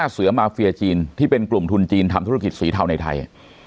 เสือมาเฟียจีนที่เป็นกลุ่มทุนจีนทำธุรกิจสีเทาในไทย